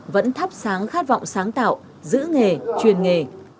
vẫn thắp sáng khát vọng sáng tạo giữ nghề truyền nghề